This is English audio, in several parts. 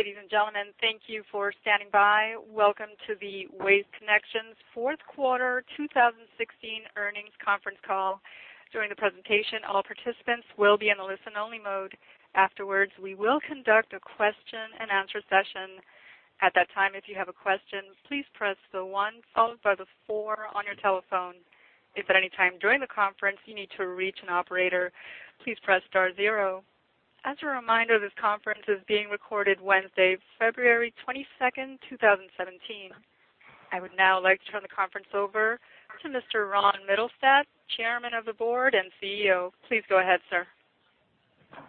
Ladies and gentlemen, thank you for standing by. Welcome to the Waste Connections fourth quarter 2016 earnings conference call. During the presentation, all participants will be in a listen-only mode. Afterwards, we will conduct a question-and-answer session. At that time, if you have a question, please press the one followed by the four on your telephone. If at any time during the conference you need to reach an operator, please press star zero. As a reminder, this conference is being recorded Wednesday, February 22nd, 2017. I would now like to turn the conference over to Mr. Ron Mittelstaedt, Chairman of the Board and CEO. Please go ahead, sir.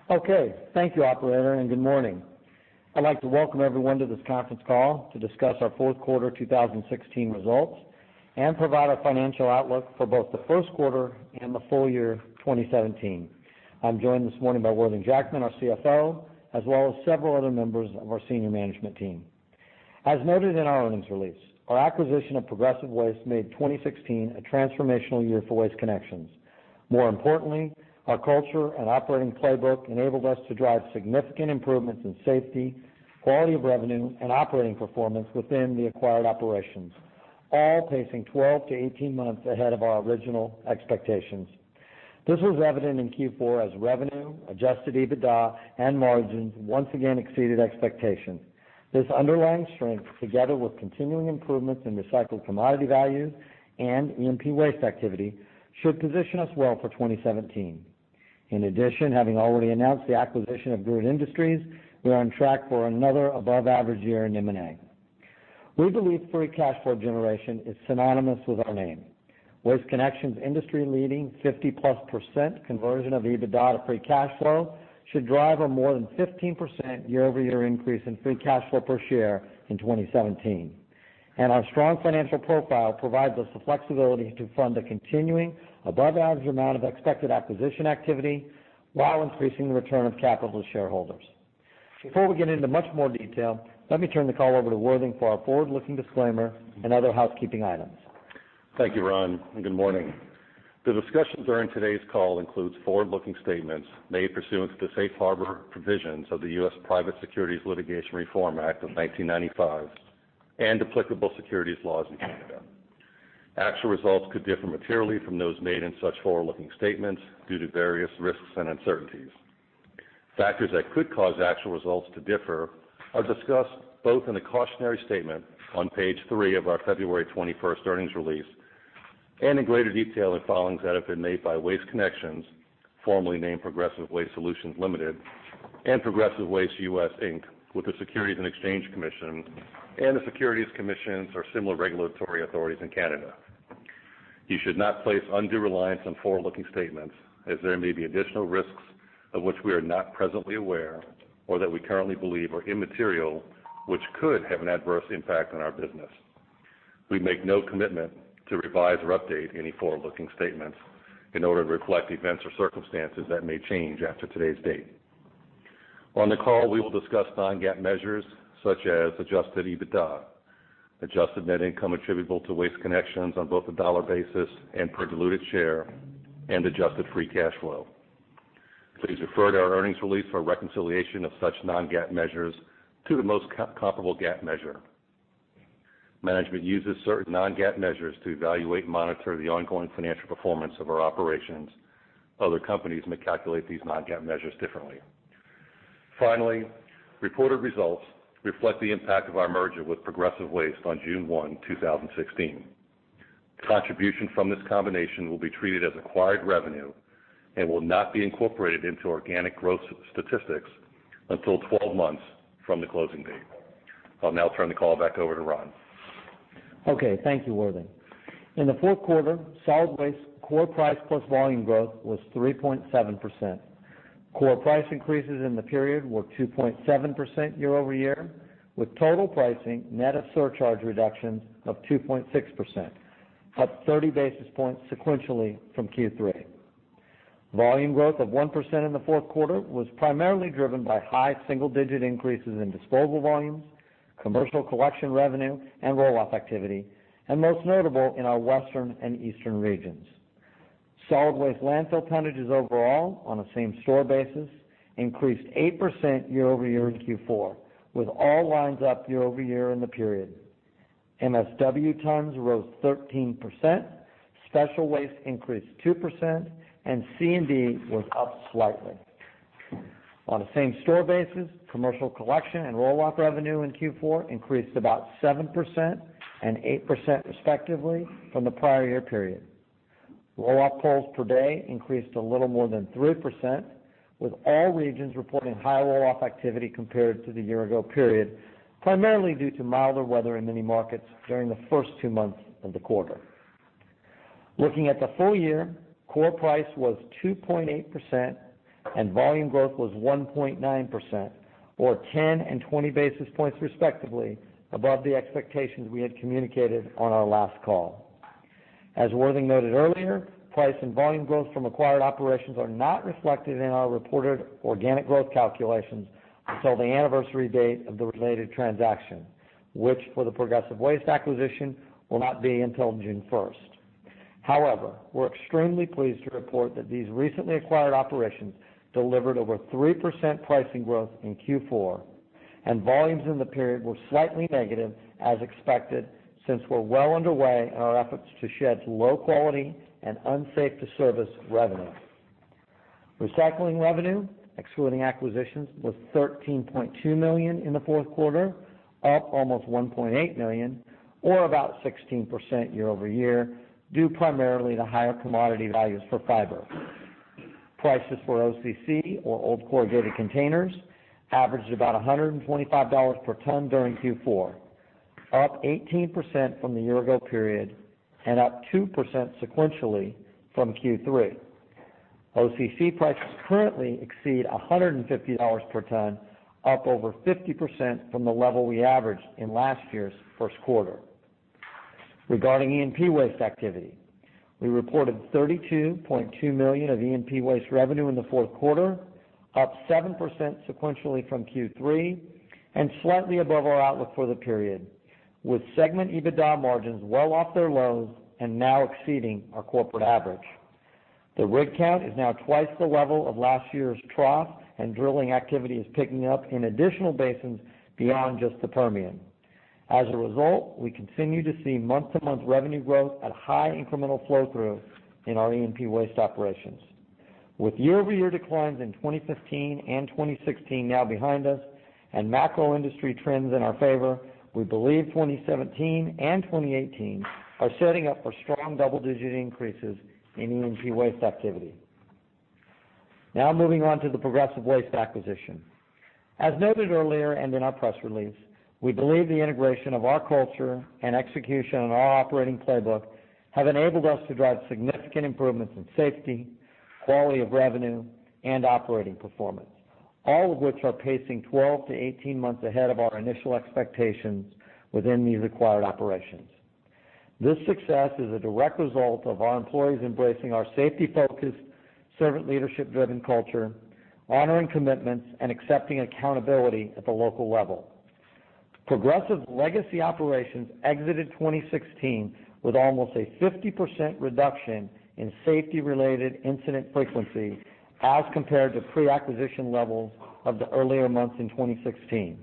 Okay. Thank you, operator, and good morning. I am joined this morning by Worthing Jackman, our CFO, as well as several other members of our senior management team. As noted in our earnings release, our acquisition of Progressive Waste made 2016 a transformational year for Waste Connections. More importantly, our culture and operating playbook enabled us to drive significant improvements in safety, quality of revenue, and operating performance within the acquired operations, all pacing 12 to 18 months ahead of our original expectations. This was evident in Q4 as revenue, adjusted EBITDA, and margins once again exceeded expectations. This underlying strength, together with continuing improvements in recycled commodity values and E&P waste activity, should position us well for 2017. In addition, having already announced the acquisition of Groot Industries, we are on track for another above-average year in M&A. We believe free cash flow generation is synonymous with our name. Waste Connections' industry-leading 50-plus percent conversion of EBITDA to free cash flow should drive a more than 15% year-over-year increase in free cash flow per share in 2017. Our strong financial profile provides us the flexibility to fund a continuing above-average amount of expected acquisition activity while increasing the return of capital to shareholders. Before we get into much more detail, let me turn the call over to Worthing for our forward-looking disclaimer and other housekeeping items. Thank you, Ron, and good morning. The discussion during today's call includes forward-looking statements made pursuant to the safe harbor provisions of the U.S. Private Securities Litigation Reform Act of 1995 and applicable securities laws in Canada. Actual results could differ materially from those made in such forward-looking statements due to various risks and uncertainties. Factors that could cause actual results to differ are discussed both in the cautionary statement on page three of our February 21st earnings release and in greater detail in filings that have been made by Waste Connections, formerly named Progressive Waste Solutions Limited, and Progressive Waste US Inc., with the Securities and Exchange Commission and the securities commissions or similar regulatory authorities in Canada. You should not place undue reliance on forward-looking statements as there may be additional risks of which we are not presently aware or that we currently believe are immaterial, which could have an adverse impact on our business. We make no commitment to revise or update any forward-looking statements in order to reflect events or circumstances that may change after today's date. On the call, we will discuss non-GAAP measures such as adjusted EBITDA, adjusted net income attributable to Waste Connections on both a dollar basis and per diluted share, and adjusted free cash flow. Please refer to our earnings release for a reconciliation of such non-GAAP measures to the most comparable GAAP measure. Management uses certain non-GAAP measures to evaluate and monitor the ongoing financial performance of our operations. Other companies may calculate these non-GAAP measures differently. Reported results reflect the impact of our merger with Progressive Waste on June 1, 2016. Contribution from this combination will be treated as acquired revenue and will not be incorporated into organic growth statistics until 12 months from the closing date. I'll now turn the call back over to Ron. Okay. Thank you, Worthing. In the fourth quarter, solid waste core price plus volume growth was 3.7%. Core price increases in the period were 2.7% year-over-year, with total pricing net of surcharge reductions of 2.6%, up 30 basis points sequentially from Q3. Volume growth of 1% in the fourth quarter was primarily driven by high single-digit increases in disposal volumes, commercial collection revenue, and roll-off activity, and most notable in our Western and Eastern regions. Solid waste landfill tonnages overall, on a same-store basis, increased 8% year-over-year in Q4, with all lines up year-over-year in the period. MSW tons rose 13%, special waste increased 2%, and C&D was up slightly. On a same-store basis, commercial collection and roll-off revenue in Q4 increased about 7% and 8% respectively from the prior year period. Roll-off pulls per day increased a little more than 3%, with all regions reporting high roll-off activity compared to the year-ago period, primarily due to milder weather in many markets during the first two months of the quarter. Looking at the full year, core price was 2.8% and volume growth was 1.9%, or 10 and 20 basis points respectively above the expectations we had communicated on our last call. As Worthing noted earlier, price and volume growth from acquired operations are not reflected in our reported organic growth calculations until the anniversary date of the related transaction, which, for the Progressive Waste acquisition, will not be until June 1st. However, we're extremely pleased to report that these recently acquired operations delivered over 3% pricing growth in Q4, and volumes in the period were slightly negative as expected, since we're well underway in our efforts to shed low quality and unsafe to service revenue. Recycling revenue, excluding acquisitions, was $13.2 million in the fourth quarter, up almost $1.8 million or about 16% year-over-year, due primarily to higher commodity values for fiber. Prices for OCC, or old corrugated containers, averaged about $125 per ton during Q4, up 18% from the year-ago period, and up 2% sequentially from Q3. OCC prices currently exceed $150 per ton, up over 50% from the level we averaged in last year's first quarter. Regarding E&P waste activity, we reported $32.2 million of E&P waste revenue in the fourth quarter, up 7% sequentially from Q3, and slightly above our outlook for the period, with segment EBITDA margins well off their lows and now exceeding our corporate average. The rig count is now twice the level of last year's trough, and drilling activity is picking up in additional basins beyond just the Permian. As a result, we continue to see month-to-month revenue growth at high incremental flow-through in our E&P waste operations. With year-over-year declines in 2015 and 2016 now behind us and macro industry trends in our favor, we believe 2017 and 2018 are setting up for strong double-digit increases in E&P waste activity. Now moving on to the Progressive Waste acquisition. As noted earlier and in our press release, we believe the integration of our culture and execution on our operating playbook have enabled us to drive significant improvements in safety, quality of revenue, and operating performance, all of which are pacing 12-18 months ahead of our initial expectations within the acquired operations. This success is a direct result of our employees embracing our safety-focused servant leadership-driven culture, honoring commitments, and accepting accountability at the local level. Progressive legacy operations exited 2016 with almost a 50% reduction in safety-related incident frequency as compared to pre-acquisition levels of the earlier months in 2016.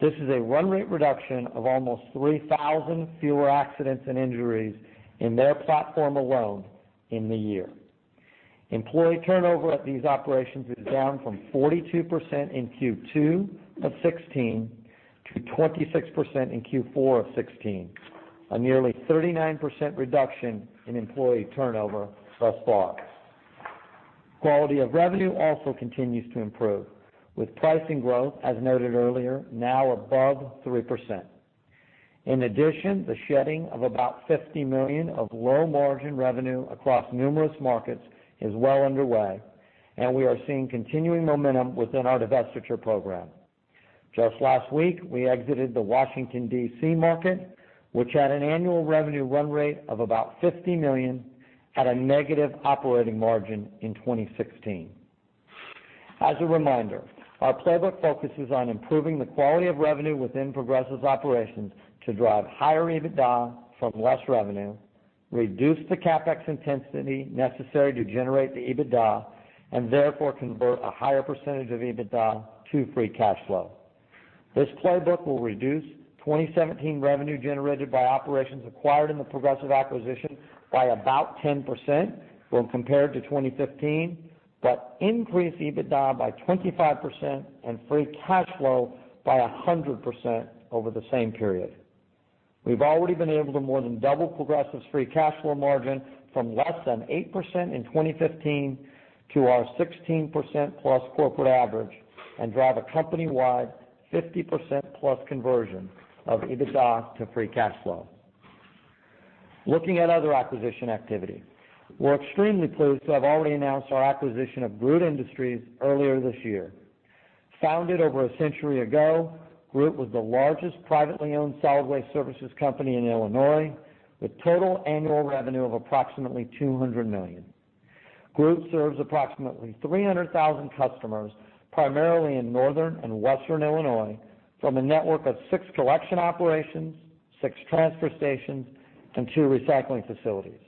This is a run rate reduction of almost 3,000 fewer accidents and injuries in their platform alone in the year. Employee turnover at these operations is down from 42% in Q2 of 2016 to 26% in Q4 of 2016, a nearly 39% reduction in employee turnover thus far. Quality of revenue also continues to improve, with pricing growth, as noted earlier, now above 3%. In addition, the shedding of about $50 million of low-margin revenue across numerous markets is well underway, and we are seeing continuing momentum within our divestiture program. Just last week, we exited the Washington, D.C. market, which had an annual revenue run rate of about $50 million at a negative operating margin in 2016. As a reminder, our playbook focuses on improving the quality of revenue within Progressive's operations to drive higher EBITDA from less revenue, reduce the CapEx intensity necessary to generate the EBITDA, and therefore convert a higher percentage of EBITDA to free cash flow. This playbook will reduce 2017 revenue generated by operations acquired in the Progressive acquisition by about 10% when compared to 2015, increase EBITDA by 25% and free cash flow by 100% over the same period. We've already been able to more than double Progressive's free cash flow margin from less than 8% in 2015 to our 16% plus corporate average and drive a company-wide 50% plus conversion of EBITDA to free cash flow. Looking at other acquisition activity, we're extremely pleased to have already announced our acquisition of Groot Industries earlier this year. Founded over a century ago, Groot was the largest privately owned solid waste services company in Illinois, with total annual revenue of approximately $200 million. Groot serves approximately 300,000 customers, primarily in Northern and Western Illinois, from a network of six collection operations, six transfer stations, and two recycling facilities.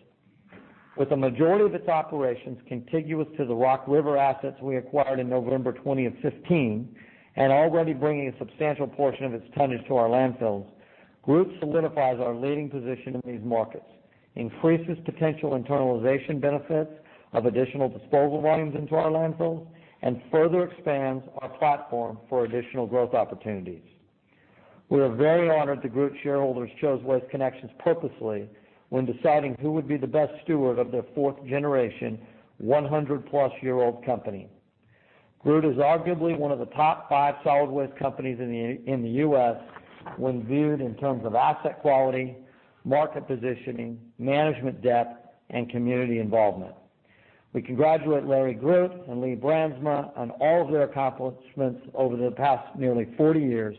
With the majority of its operations contiguous to the Rock River assets we acquired in November 2015 and already bringing a substantial portion of its tonnage to our landfills, Groot solidifies our leading position in these markets, increases potential internalization benefits of additional disposal volumes into our landfills, and further expands our platform for additional growth opportunities. We are very honored that Groot shareholders chose Waste Connections purposely when deciding who would be the best steward of their fourth generation, 100-plus-year-old company. Groot is arguably one of the top five solid waste companies in the U.S. when viewed in terms of asset quality, market positioning, management depth, and community involvement. We congratulate Larry Groot and Lee Brandsma on all of their accomplishments over the past nearly 40 years.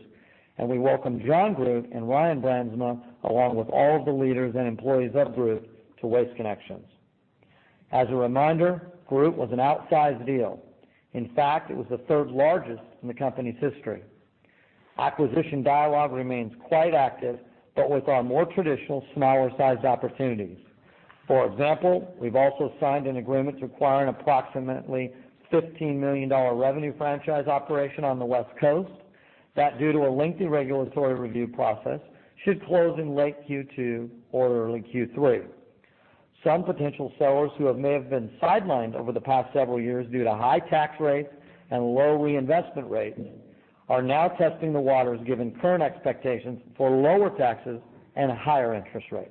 We welcome Jon Groot and Ryan Brandsma, along with all of the leaders and employees of Groot, to Waste Connections. As a reminder, Groot was an outsized deal. In fact, it was the third largest in the company's history. Acquisition dialogue remains quite active, with our more traditional smaller-sized opportunities. For example, we've also signed an agreement requiring approximately $15 million revenue franchise operation on the West Coast, that due to a lengthy regulatory review process, should close in late Q2 or early Q3. Some potential sellers who may have been sidelined over the past several years due to high tax rates and low reinvestment rates are now testing the waters given current expectations for lower taxes and higher interest rates.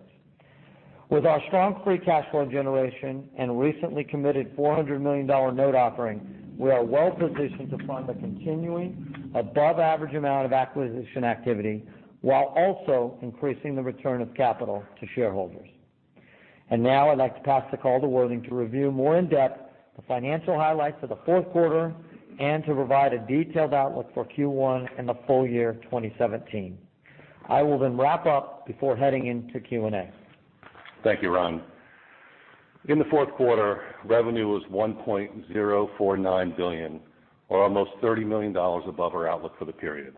With our strong free cash flow generation and recently committed $400 million note offering, we are well-positioned to fund the continuing above-average amount of acquisition activity while also increasing the return of capital to shareholders. Now I'd like to pass the call to Worthing to review more in depth the financial highlights of the fourth quarter and to provide a detailed outlook for Q1 and the full year 2017. I will then wrap up before heading into Q&A. Thank you, Ron. In the fourth quarter, revenue was $1.049 billion or almost $30 million above our outlook for the period.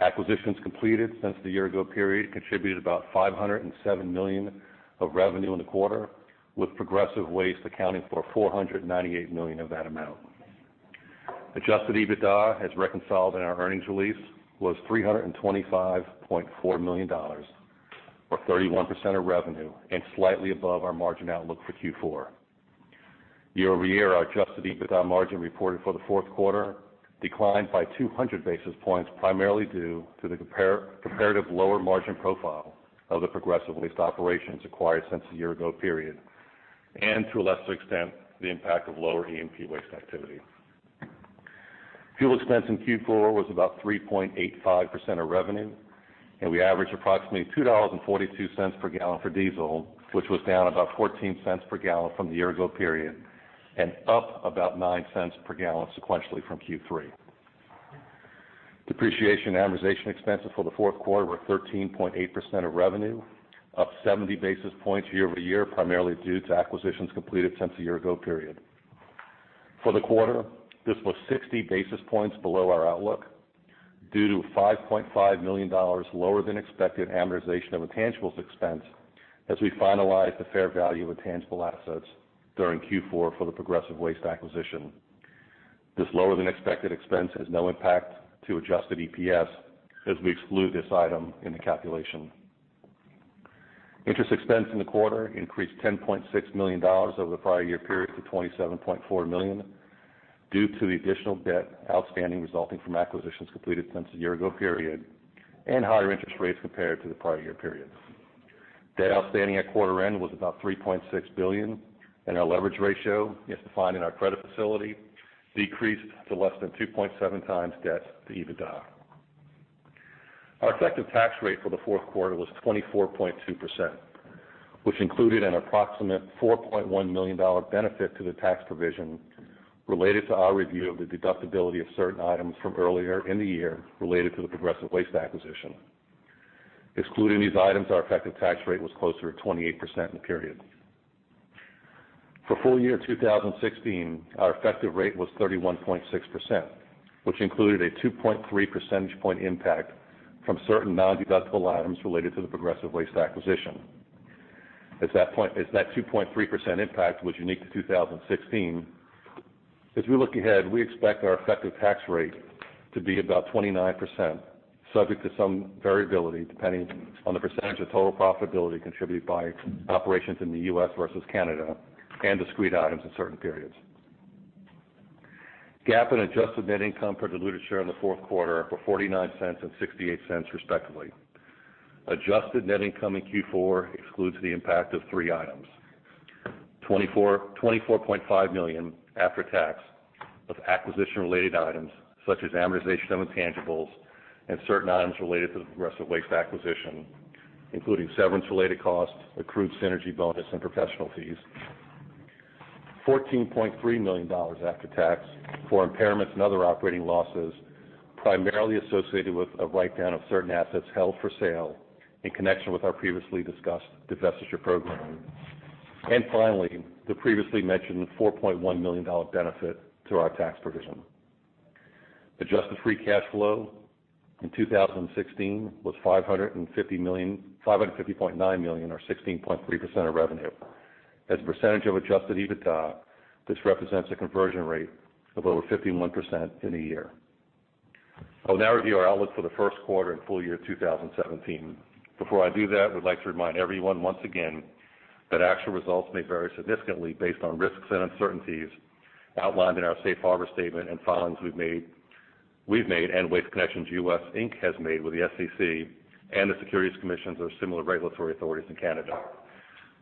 Acquisitions completed since the year-ago period contributed about $507 million of revenue in the quarter, with Progressive Waste accounting for $498 million of that amount. Adjusted EBITDA, as reconciled in our earnings release, was $325.4 million, or 31% of revenue and slightly above our margin outlook for Q4. Year-over-year, our adjusted EBITDA margin reported for the fourth quarter declined by 200 basis points, primarily due to the comparative lower margin profile of the Progressive Waste operations acquired since the year-ago period, and to a lesser extent, the impact of lower E&P waste activity. Fuel expense in Q4 was about 3.85% of revenue, and we averaged approximately $2.42 per gallon for diesel, which was down about $0.14 per gallon from the year-ago period, and up about $0.09 per gallon sequentially from Q3. Depreciation and amortization expenses for the fourth quarter were 13.8% of revenue, up 70 basis points year-over-year, primarily due to acquisitions completed since the year-ago period. For the quarter, this was 60 basis points below our outlook due to $5.5 million lower than expected amortization of intangibles expense as we finalized the fair value of intangible assets during Q4 for the Progressive Waste acquisition. This lower than expected expense has no impact to adjusted EPS as we exclude this item in the calculation. Interest expense in the quarter increased $10.6 million over the prior year period to $27.4 million, due to the additional debt outstanding resulting from acquisitions completed since the year-ago period and higher interest rates compared to the prior year period. Debt outstanding at quarter end was about $3.6 billion, and our leverage ratio, as defined in our credit facility, decreased to less than 2.7 times debt to EBITDA. Our effective tax rate for the fourth quarter was 24.2%, which included an approximate $4.1 million benefit to the tax provision related to our review of the deductibility of certain items from earlier in the year related to the Progressive Waste acquisition. Excluding these items, our effective tax rate was closer to 28% in the period. For full year 2016, our effective rate was 31.6%, which included a 2.3 percentage point impact from certain nondeductible items related to the Progressive Waste acquisition. As that 2.3% impact was unique to 2016, as we look ahead, we expect our effective tax rate to be about 29%, subject to some variability depending on the percentage of total profitability contributed by operations in the U.S. versus Canada and discrete items in certain periods. GAAP and adjusted net income per diluted share in the fourth quarter were $0.49 and $0.68 respectively. Adjusted net income in Q4 excludes the impact of three items. $24.5 million after tax of acquisition-related items such as amortization of intangibles and certain items related to the Progressive Waste acquisition, including severance-related costs, accrued synergy bonus, and professional fees. $14.3 million after tax for impairments and other operating losses, primarily associated with a write-down of certain assets held for sale in connection with our previously discussed divestiture program. Finally, the previously mentioned $4.1 million benefit to our tax provision. Adjusted free cash flow in 2016 was $550.9 million or 16.3% of revenue. As a percentage of adjusted EBITDA, this represents a conversion rate of over 51% in the year. I'll now review our outlook for the first quarter and full year 2017. Before I do that, we'd like to remind everyone once again that actual results may vary significantly based on risks and uncertainties outlined in our safe harbor statement and filings we've made, and Waste Connections US Inc. has made with the SEC and the securities commissions or similar regulatory authorities in Canada.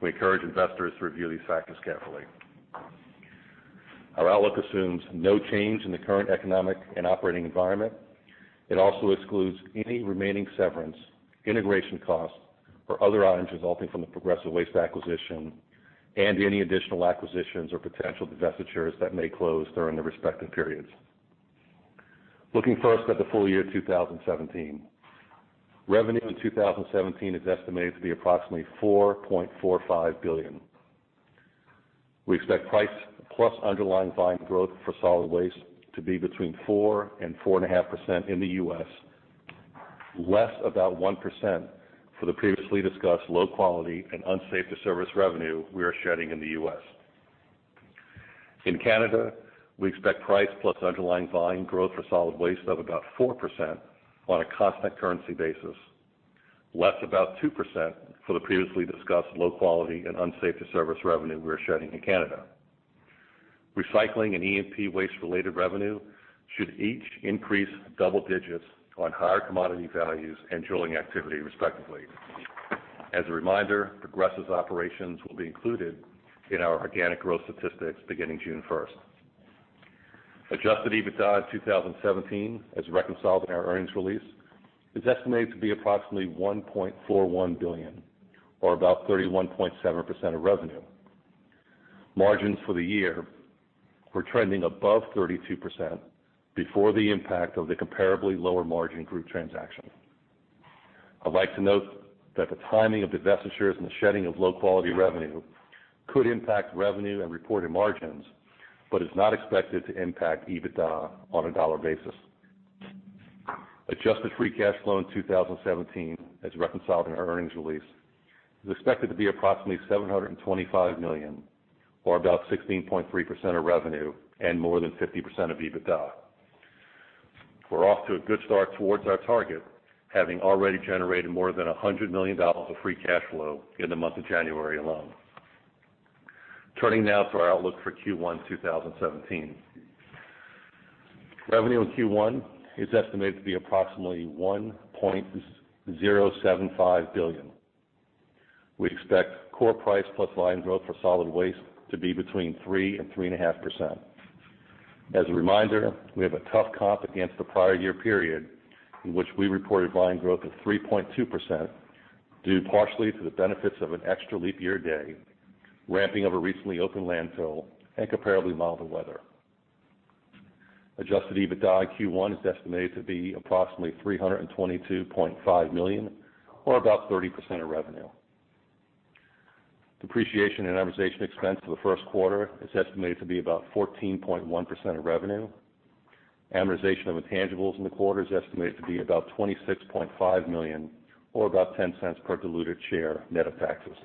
We encourage investors to review these factors carefully. Our outlook assumes no change in the current economic and operating environment. It also excludes any remaining severance, integration costs, or other items resulting from the Progressive Waste acquisition and any additional acquisitions or potential divestitures that may close during the respective periods. Looking first at the full year 2017. Revenue in 2017 is estimated to be approximately $4.45 billion. We expect price plus underlying volume growth for solid waste to be between 4% and 4.5% in the U.S., less about 1% for the previously discussed low quality and unsafe to service revenue we are shedding in the U.S. In Canada, we expect price plus underlying volume growth for solid waste of about 4% on a constant currency basis, less about 2% for the previously discussed low quality and unsafe to service revenue we are shedding in Canada. Recycling and E&P waste-related revenue should each increase double digits on higher commodity values and drilling activity, respectively. As a reminder, Progressive's operations will be included in our organic growth statistics beginning June 1st. Adjusted EBITDA in 2017, as reconciled in our earnings release, is estimated to be approximately $1.41 billion or about 31.7% of revenue. Margins for the year were trending above 32% before the impact of the comparably lower margin group transaction. I'd like to note that the timing of divestitures and the shedding of low-quality revenue could impact revenue and reported margins, but is not expected to impact EBITDA on a dollar basis. Adjusted free cash flow in 2017, as reconciled in our earnings release, is expected to be approximately $725 million or about 16.3% of revenue and more than 50% of EBITDA. We're off to a good start towards our target, having already generated more than $100 million of free cash flow in the month of January alone. Turning now to our outlook for Q1 2017. Revenue in Q1 is estimated to be approximately $1.075 billion. We expect core price plus volume growth for solid waste to be between 3% and 3.5%. As a reminder, we have a tough comp against the prior year period in which we reported volume growth of 3.2%, due partially to the benefits of an extra leap year day, ramping of a recently opened landfill, and comparably milder weather. Adjusted EBITDA in Q1 is estimated to be approximately $322.5 million or about 30% of revenue. Depreciation and amortization expense for the first quarter is estimated to be about 14.1% of revenue. Amortization of intangibles in the quarter is estimated to be about $26.5 million or about $0.10 per diluted share net of taxes.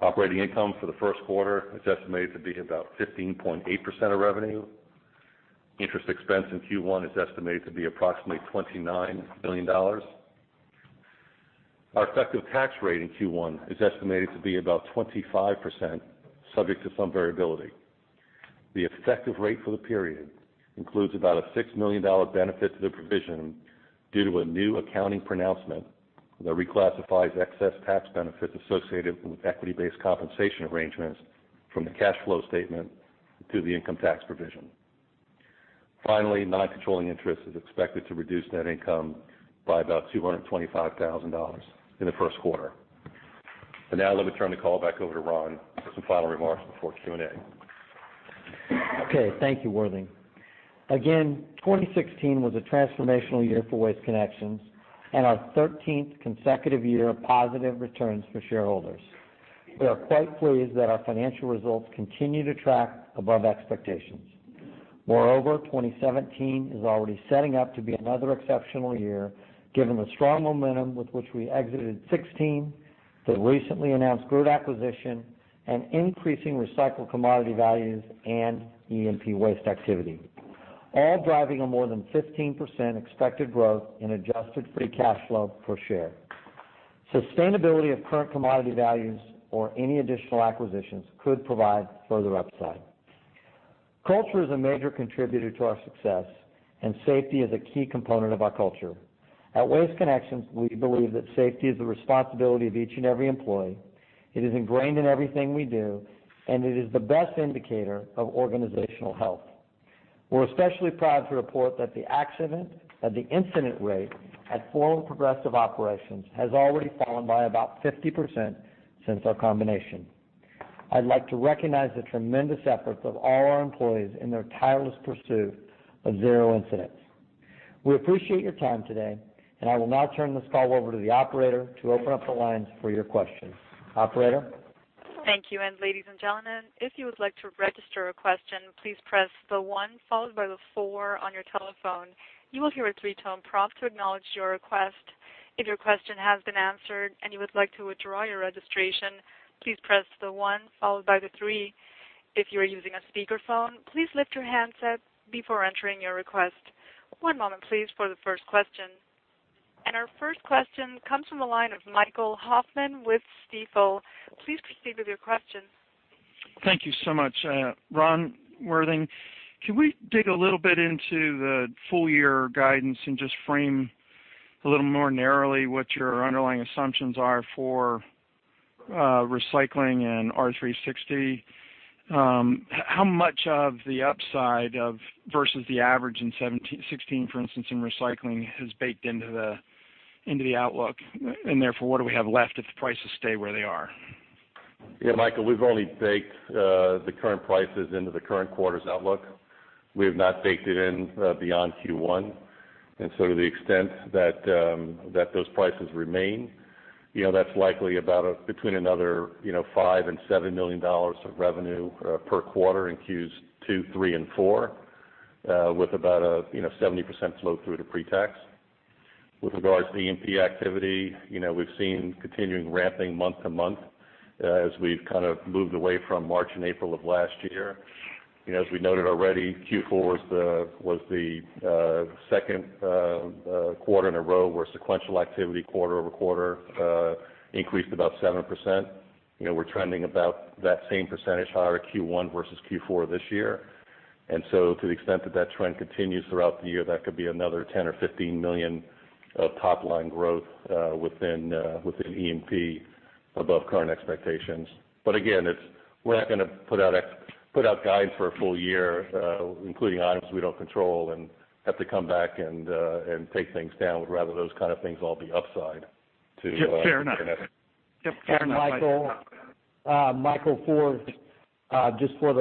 Operating income for the first quarter is estimated to be about 15.8% of revenue. Interest expense in Q1 is estimated to be approximately $29 million. Our effective tax rate in Q1 is estimated to be about 25%, subject to some variability. The effective rate for the period includes about a $6 million benefit to the provision due to a new accounting pronouncement that reclassifies excess tax benefits associated with equity-based compensation arrangements from the cash flow statement to the income tax provision. Finally, non-controlling interest is expected to reduce net income by about $225,000 in the first quarter. Now let me turn the call back over to Ron for some final remarks before Q&A. Okay, thank you, Worthing. Again, 2016 was a transformational year for Waste Connections and our 13th consecutive year of positive returns for shareholders. We are quite pleased that our financial results continue to track above expectations. Moreover, 2017 is already setting up to be another exceptional year, given the strong momentum with which we exited 2016, the recently announced Groot acquisition, and increasing recycled commodity values and E&P waste activity, all driving a more than 15% expected growth in adjusted free cash flow per share. Sustainability of current commodity values or any additional acquisitions could provide further upside. Culture is a major contributor to our success, and safety is a key component of our culture. At Waste Connections, we believe that safety is the responsibility of each and every employee. It is ingrained in everything we do, and it is the best indicator of organizational health. We're especially proud to report that the incident rate at former Progressive Operations has already fallen by about 50% since our combination. I'd like to recognize the tremendous efforts of all our employees in their tireless pursuit of zero incidents. We appreciate your time today. I will now turn this call over to the operator to open up the lines for your questions. Operator? Thank you. Ladies and gentlemen, if you would like to register a question, please press the one followed by the four on your telephone. You will hear a three-tone prompt to acknowledge your request. If your question has been answered and you would like to withdraw your registration, please press the one followed by the three. If you are using a speakerphone, please lift your handset before entering your request. One moment, please, for the first question. Our first question comes from the line of Michael Hoffman with Stifel. Please proceed with your question. Thank you so much. Ron, Worthing, can we dig a little bit into the full-year guidance and just frame a little more narrowly what your underlying assumptions are for recycling and R360? How much of the upside of versus the average in 2016, for instance, in recycling, has baked into the outlook? Therefore, what do we have left if the prices stay where they are? Yeah, Michael, we've only baked the current prices into the current quarter's outlook. We have not baked it in beyond Q1. So to the extent that those prices remain, that's likely about between another $5 million and $7 million of revenue per quarter in Q2, Q3, and Q4, with about a 70% flow through to pre-tax. With regards to E&P activity, we've seen continuing ramping month-to-month as we've kind of moved away from March and April of last year. As we noted already, Q4 was the second quarter in a row where sequential activity quarter-over-quarter increased about 7%. We're trending about that same percentage higher Q1 versus Q4 this year. So to the extent that trend continues throughout the year, that could be another $10 million or $15 million of top-line growth within E&P above current expectations. Again, we're not going to put out guides for a full year including items we don't control and have to come back and take things down. We'd rather those kind of things all be upside to- Fair enough. Michael, just for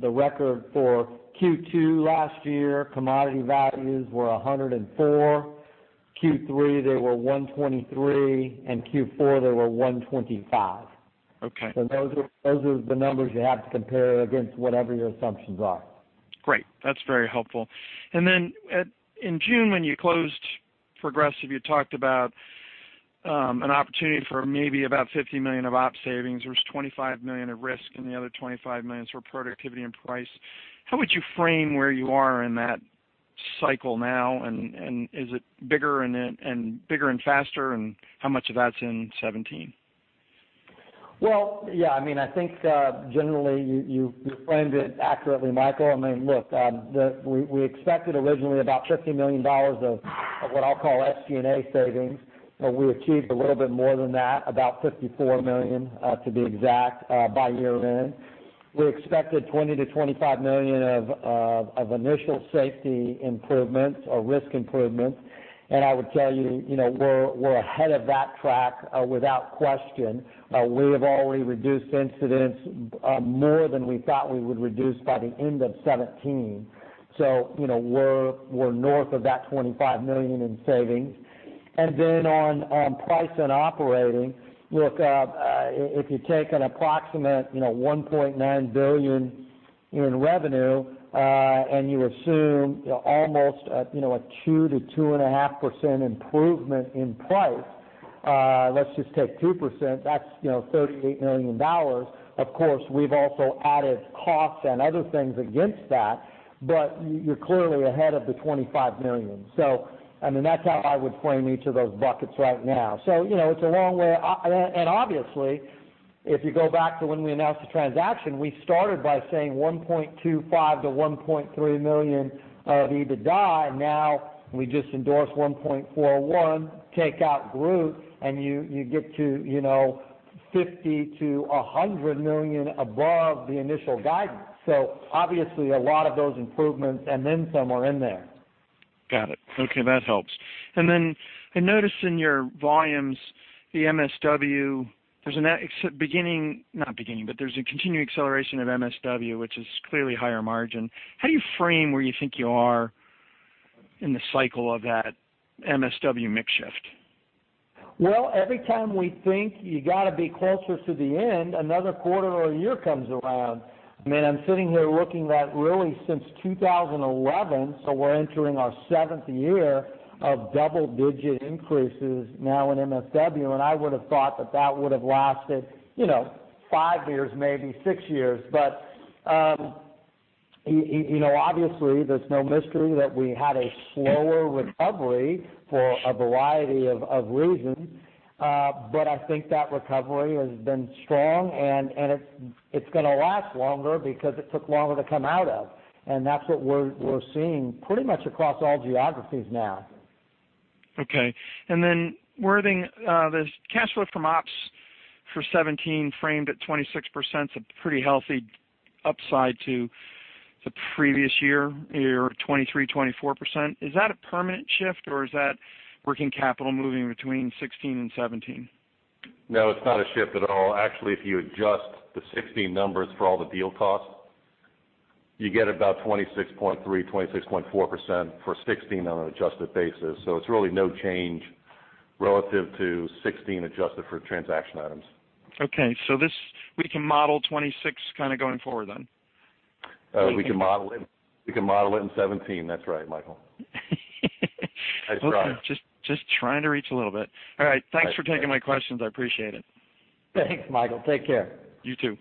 the record for Q2 last year, commodity values were $104. Q3 they were $123, Q4 they were $125. Okay. Those are the numbers you have to compare against whatever your assumptions are. Great. That's very helpful. Then in June, when you closed Progressive, you talked about an opportunity for maybe about $50 million of op savings. There was $25 million of risk and the other $25 million is for productivity and price. How would you frame where you are in that cycle now, is it bigger and faster, and how much of that's in 2017? Well, yeah, I think generally you framed it accurately, Michael. I mean, look, we expected originally about $50 million of what I'll call SG&A savings, we achieved a little bit more than that, about $54 million, to be exact, by year-end. We expected $20 million-$25 million of initial safety improvements or risk improvements. I would tell you, we're ahead of that track without question. We have already reduced incidents more than we thought we would reduce by the end of 2017. We're north of that $25 million in savings. Then on price and operating, look, if you take an approximate $1.9 billion in revenue, you assume almost a 2%-2.5% improvement in price, let's just take 2%, that's $38 million. Of course, we've also added costs and other things against that, you're clearly ahead of the $25 million. That's how I would frame each of those buckets right now. Obviously, if you go back to when we announced the transaction, we started by saying $1.25 million to $1.3 million of EBITDA, and now we just endorsed $1.41 million, take out Groot, and you get to $50 million to $100 million above the initial guidance. Obviously a lot of those improvements and then some are in there. Got it. Okay. That helps. Then I noticed in your volumes, the MSW, there's a continuing acceleration of MSW, which is clearly higher margin. How do you frame where you think you are in the cycle of that MSW mix shift? Well, every time we think you got to be closer to the end, another quarter or a year comes around. Man, I'm sitting here looking at really since 2011, we're entering our seventh year of double-digit increases now in MSW, and I would have thought that that would have lasted five years, maybe six years. Obviously, there's no mystery that we had a slower recovery for a variety of reasons. I think that recovery has been strong, and it's going to last longer because it took longer to come out of, and that's what we're seeing pretty much across all geographies now. Okay. Then Worthing, this cash flow from ops for 2017 framed at 26% is a pretty healthy upside to the previous year 23%, 24%. Is that a permanent shift, or is that working capital moving between 2016 and 2017? No, it's not a shift at all. Actually, if you adjust the 2016 numbers for all the deal costs, you get about 26.3%, 26.4% for 2016 on an adjusted basis. It's really no change relative to 2016 adjusted for transaction items. Okay. This, we can model 26% going forward then? We can model it in 2017. That's right, Michael. I promise. Just trying to reach a little bit. All right. Thanks for taking my questions. I appreciate it. Thanks, Michael. Take care. You too.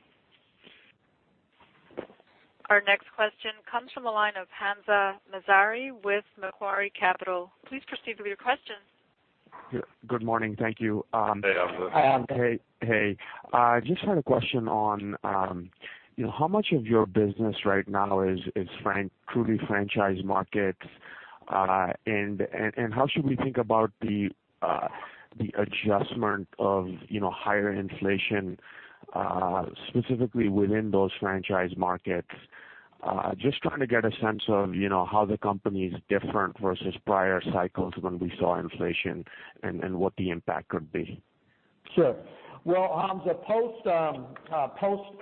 Our next question comes from the line of Hamza Nazari with Macquarie Capital. Please proceed with your questions. Good morning. Thank you. Hey, Hamza. Hey. Just had a question on how much of your business right now is truly franchise markets. How should we think about the adjustment of higher inflation, specifically within those franchise markets? Just trying to get a sense of how the company is different versus prior cycles when we saw inflation, and what the impact could be. Sure. Well, Hamza,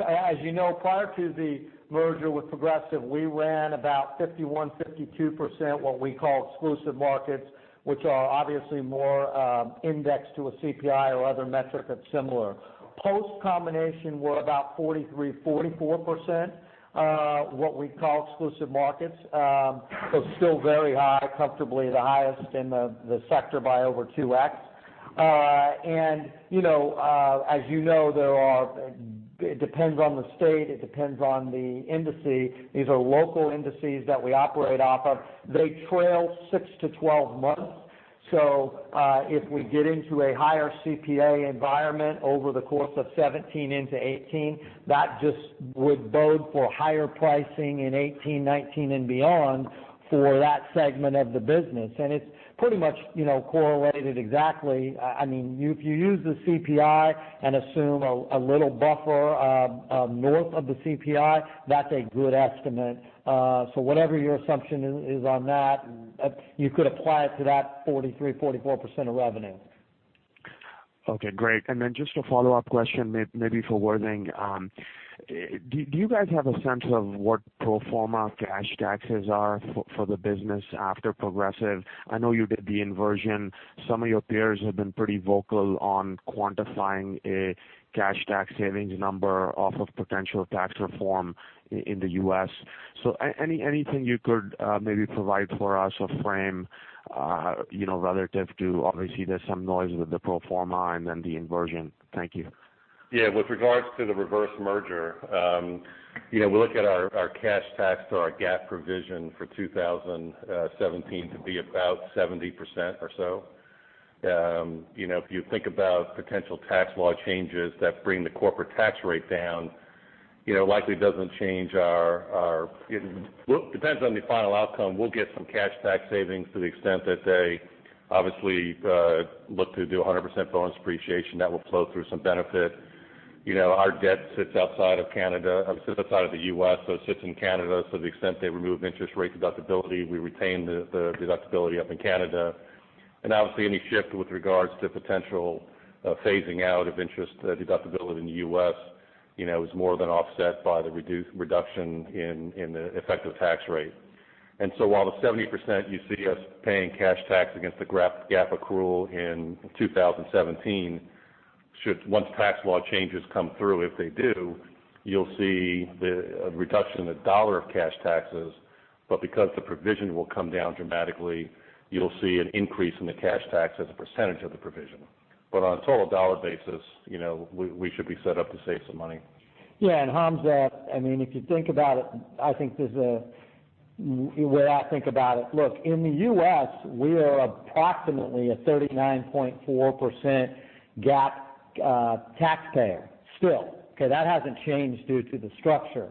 as you know, prior to the merger with Progressive, we ran about 51%-52% what we call exclusive markets, which are obviously more indexed to a CPI or other metric that's similar. Post-combination, we're about 43%-44%, what we call exclusive markets. Still very high, comfortably the highest in the sector by over 2x. As you know, it depends on the state, it depends on the indices. These are local indices that we operate off of. They trail six to 12 months. If we get into a higher CPI environment over the course of 2017 into 2018, that just would bode for higher pricing in 2018, 2019, and beyond for that segment of the business. It's pretty much correlated exactly. If you use the CPI and assume a little buffer north of the CPI, that's a good estimate. Whatever your assumption is on that, you could apply it to that 43%-44% of revenue. Okay, great. Just a follow-up question, maybe for Worthing. Do you guys have a sense of what pro forma cash taxes are for the business after Progressive? I know you did the inversion. Some of your peers have been pretty vocal on quantifying a cash tax savings number off of potential tax reform in the U.S. Anything you could maybe provide for us, a frame, relative to, obviously, there's some noise with the pro forma and then the inversion. Thank you. Yeah. With regards to the reverse merger, we look at our cash tax to our GAAP provision for 2017 to be about 70% or so. If you think about potential tax law changes that bring the corporate tax rate down, likely doesn't change our. Well, depends on the final outcome. We'll get some cash tax savings to the extent that they obviously look to do 100% bonus depreciation. That will flow through some benefit. Our debt sits outside of the U.S., it sits in Canada. To the extent they remove interest rate deductibility, we retain the deductibility up in Canada. Obviously, any shift with regards to potential phasing out of interest deductibility in the U.S. is more than offset by the reduction in the effective tax rate. While the 70% you see us paying cash tax against the GAAP accrual in 2017, once tax law changes come through, if they do, you'll see a reduction in the dollar of cash taxes. Because the provision will come down dramatically, you'll see an increase in the cash tax as a percentage of the provision. On a total dollar basis, we should be set up to save some money. Yeah, Hamza, the way I think about it, look, in the U.S., we are approximately a 39.4% GAAP taxpayer still. Okay? That hasn't changed due to the structure.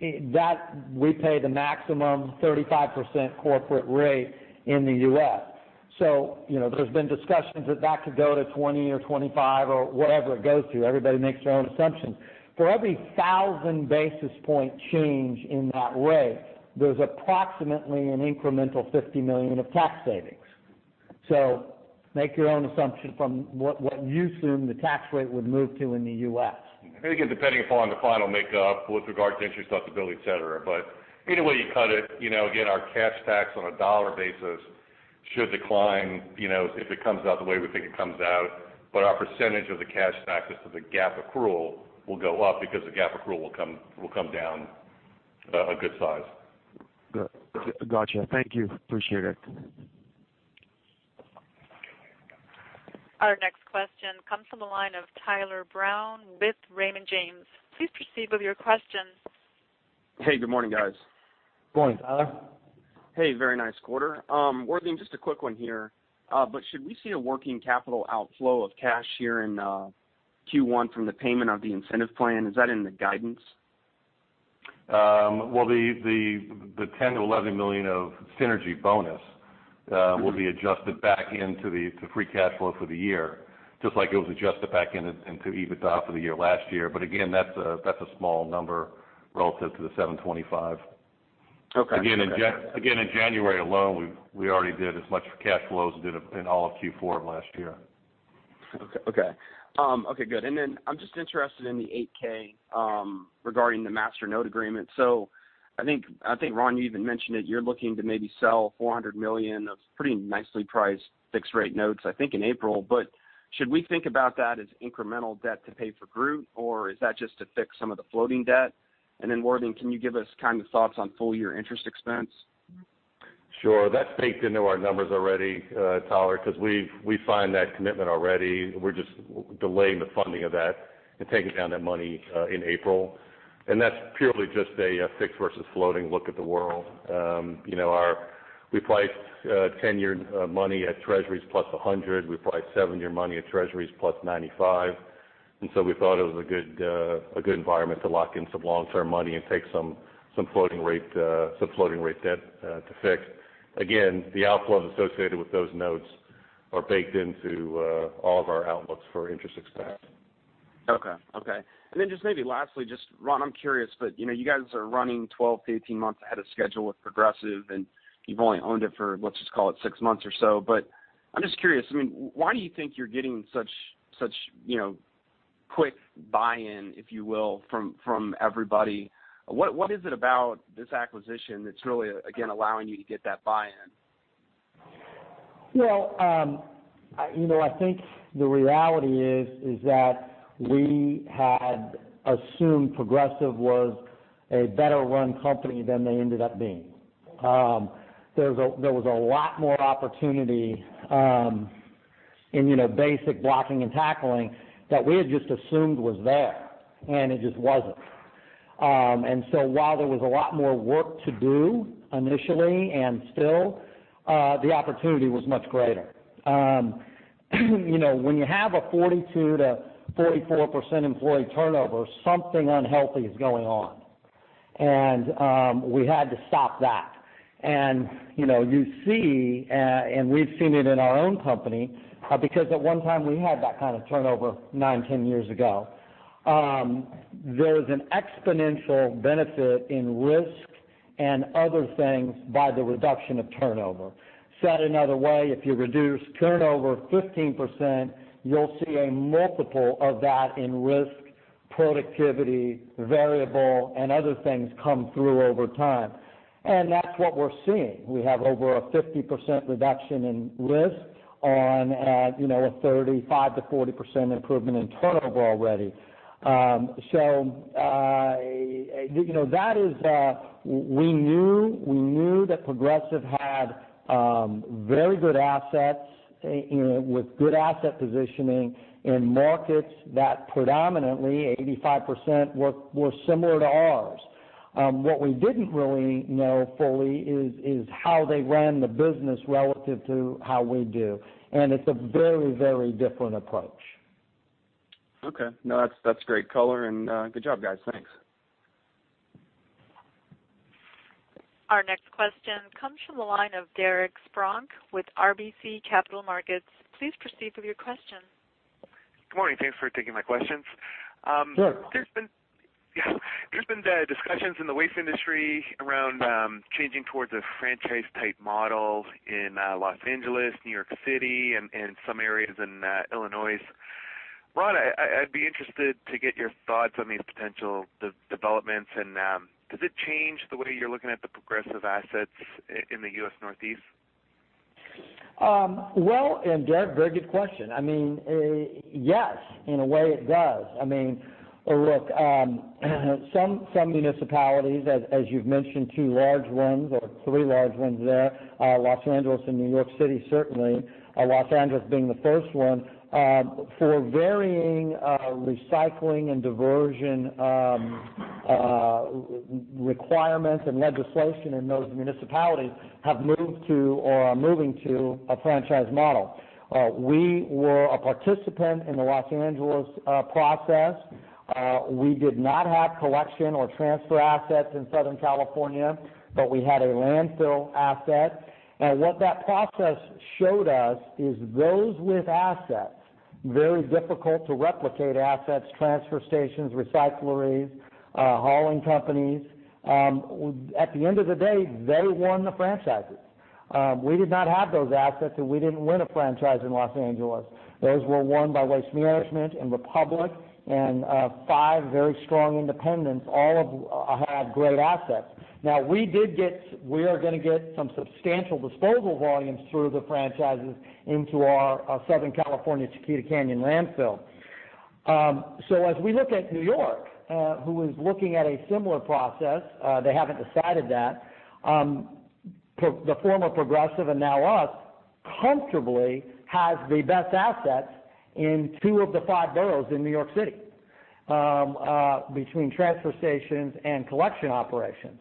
We pay the maximum 35% corporate rate in the U.S. There's been discussions that could go to 20 or 25 or whatever it goes to. Everybody makes their own assumptions. For every 1,000 basis point change in that rate, there's approximately an incremental $50 million of tax savings. Make your own assumption from what you assume the tax rate would move to in the U.S. Again, depending upon the final makeup with regard to interest deductibility, et cetera. Any way you cut it, again, our cash tax on a dollar basis should decline if it comes out the way we think it comes out. Our percentage of the cash taxes as a GAAP accrual will go up because the GAAP accrual will come down a good size. Got you. Thank you. Appreciate it. Our next question comes from the line of Tyler Brown with Raymond James. Please proceed with your question. Hey, good morning, guys. Good morning, Tyler. Hey, very nice quarter. Worthing, just a quick one here. Should we see a working capital outflow of cash here in Q1 from the payment of the incentive plan? Is that in the guidance? Well, the $10 million-$11 million of synergy bonus will be adjusted back into free cash flow for the year, just like it was adjusted back into EBITDA for the year last year. Again, that's a small number relative to the $725 million. Okay. In January alone, we already did as much cash flows as we did in all of Q4 of last year. Okay. Good. I'm just interested in the 8-K regarding the master note agreement. I think, Ron, you even mentioned it. You're looking to maybe sell $400 million of pretty nicely priced fixed rate notes, I think, in April. Should we think about that as incremental debt to pay for Groot? Is that just to fix some of the floating debt? Worthing, can you give us thoughts on full-year interest expense? Sure. That's baked into our numbers already, Tyler, because we find that commitment already. We're just delaying the funding of that and taking down that money in April. That's purely just a fixed versus floating look at the world. We priced 10-year money at Treasuries plus 100. We priced seven-year money at Treasuries plus 95. We thought it was a good environment to lock in some long-term money and take some floating rate debt to fix. Again, the outflows associated with those notes are baked into all of our outlooks for interest expense. Okay. Just maybe lastly, Ron, I'm curious, you guys are running 12 to 18 months ahead of schedule with Progressive, and you've only owned it for, let's just call it six months or so. I'm just curious, why do you think you're getting such quick buy-in, if you will, from everybody? What is it about this acquisition that's really, again, allowing you to get that buy-in? I think the reality is that we had assumed Progressive was a better-run company than they ended up being. There was a lot more opportunity in basic blocking and tackling that we had just assumed was there, and it just wasn't. While there was a lot more work to do initially, and still, the opportunity was much greater. When you have a 42%-44% employee turnover, something unhealthy is going on. We had to stop that. You see, and we've seen it in our own company, because at one time we had that kind of turnover nine, 10 years ago. There's an exponential benefit in risk and other things by the reduction of turnover. Said another way, if you reduce turnover 15%, you'll see a multiple of that in risk, productivity, variable, and other things come through over time. That's what we're seeing. We have over a 50% reduction in risk and a 35%-40% improvement in turnover already. We knew that Progressive had very good assets, with good asset positioning in markets that predominantly, 85%, were similar to ours. What we didn't really know fully is how they ran the business relative to how we do. It's a very, very different approach. Okay. No, that's great color, and good job, guys. Thanks. Our next question comes from the line of Derek Spronck with RBC Capital Markets. Please proceed with your question. Good morning. Thanks for taking my questions. Sure. There's been discussions in the waste industry around changing towards a franchise-type model in Los Angeles, New York City, and some areas in Illinois. Ron, I'd be interested to get your thoughts on these potential developments, and does it change the way you're looking at the Progressive assets in the U.S. Northeast? Well, Derek, very good question. Yes, in a way it does. Look, some municipalities, as you've mentioned, two large ones or three large ones there, Los Angeles and New York City, certainly, Los Angeles being the first one, for varying recycling and diversion requirements and legislation in those municipalities have moved to or are moving to a franchise model. We were a participant in the Los Angeles process. We did not have collection or transfer assets in Southern California, but we had a landfill asset. What that process showed us is those with assets, very difficult to replicate assets, transfer stations, recycleries, hauling companies, at the end of the day, they won the franchises. We did not have those assets, so we didn't win a franchise in Los Angeles. Those were won by Waste Management and Republic, and five very strong independents, all of who had great assets. We are going to get some substantial disposal volumes through the franchises into our Southern California Chiquita Canyon landfill. As we look at New York, who is looking at a similar process, they haven't decided that, the former Progressive and now us comfortably has the best assets in two of the five boroughs in New York City, between transfer stations and collection operations.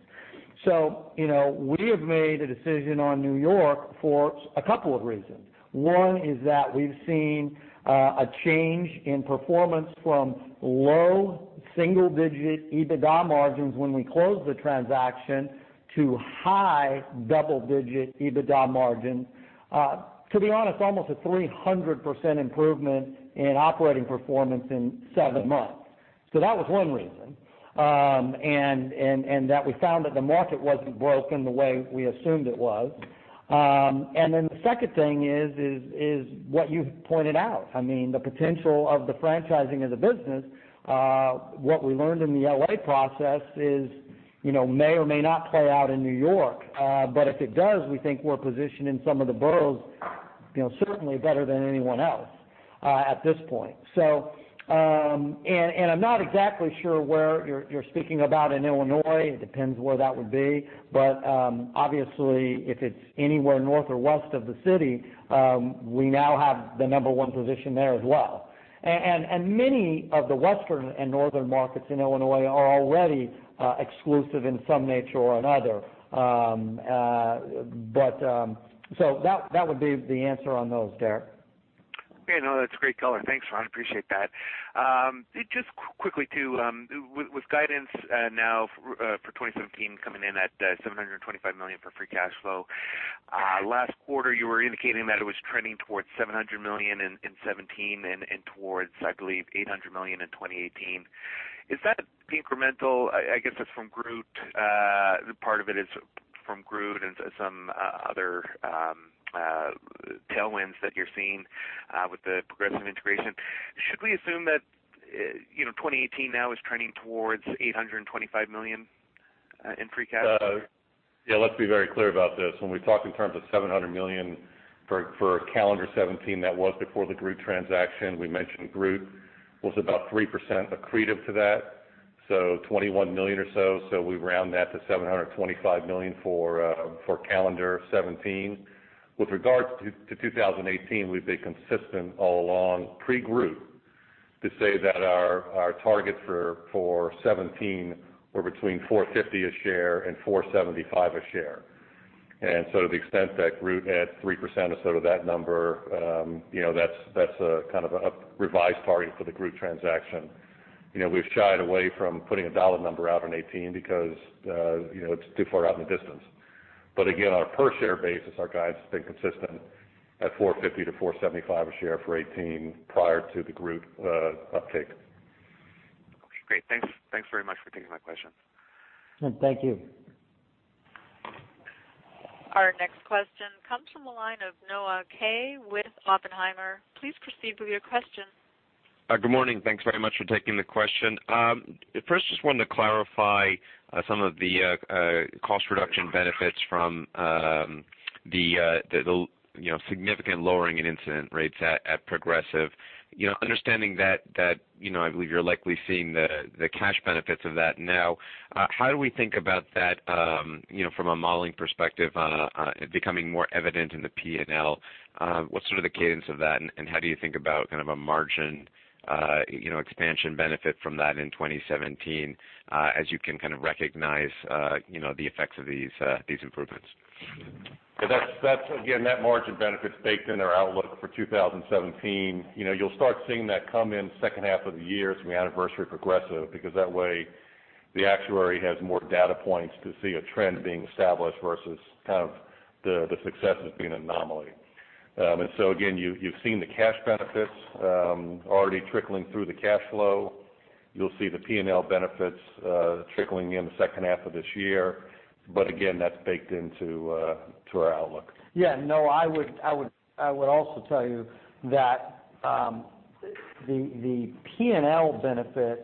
We have made a decision on New York for a couple of reasons. One is that we've seen a change in performance from low single-digit EBITDA margins when we closed the transaction to high double-digit EBITDA margins. To be honest, almost a 300% improvement in operating performance in seven months. That was one reason, and that we found that the market wasn't broken the way we assumed it was. The second thing is what you pointed out. The potential of the franchising of the business, what we learned in the L.A. process may or may not play out in New York. If it does, we think we're positioned in some of the boroughs certainly better than anyone else at this point. I'm not exactly sure where you're speaking about in Illinois. It depends where that would be. Obviously, if it's anywhere north or west of the city, we now have the number one position there as well. Many of the western and northern markets in Illinois are already exclusive in some nature or another. That would be the answer on those, Derek. Yeah, no, that's a great color. Thanks, Ron. Appreciate that. Just quickly too, with guidance now for 2017 coming in at $725 million for free cash flow. Last quarter, you were indicating that it was trending towards $700 million in 2017 and towards, I believe, $800 million in 2018. Is that incremental? I guess that's from Groot. Part of it is from Groot and some other tailwinds that you're seeing with the Progressive integration. Should we assume that 2018 now is trending towards $825 million in free cash? Yeah, let's be very clear about this. When we talked in terms of $700 million for calendar 2017, that was before the Groot transaction. We mentioned Groot was about 3% accretive to that, so $21 million or so. We round that to $725 million for calendar 2017. With regards to 2018, we've been consistent all along pre-Groot to say that our targets for 2017 were between $4.50 a share and $4.75 a share. To the extent that Groot had 3% or so to that number, that's a kind of a revised target for the Groot transaction. We've shied away from putting a dollar number out on 2018 because it's too far out in the distance. Again, on a per-share basis, our guidance has been consistent at $4.50-$4.75 a share for 2018 prior to the Groot uptick. Okay, great. Thanks very much for taking my question. Thank you. Our next question comes from the line of Noah Kaye with Oppenheimer. Please proceed with your question. Good morning. Thanks very much for taking the question. First, just wanted to clarify some of the cost reduction benefits from the significant lowering in incident rates at Progressive. Understanding that, I believe you're likely seeing the cash benefits of that now. How do we think about that from a modeling perspective becoming more evident in the P&L? What's sort of the cadence of that, and how do you think about kind of a margin expansion benefit from that in 2017 as you can kind of recognize the effects of these improvements? That's again, that margin benefit's baked in our outlook for 2017. You'll start seeing that come in the second half of the year from the anniversary of Progressive, because that way the actuary has more data points to see a trend being established versus kind of the success has been an anomaly. Again, you've seen the cash benefits already trickling through the cash flow. You'll see the P&L benefits trickling in the second half of this year. Again, that's baked into our outlook. Yeah. Noah Kaye, I would also tell you that the P&L benefits